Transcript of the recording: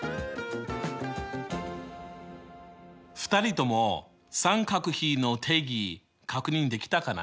２人とも三角比の定義確認できたかな？